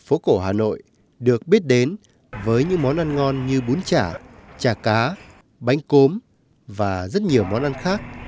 phố cổ hà nội được biết đến với những món ăn ngon như bún chả cá bánh cốm và rất nhiều món ăn khác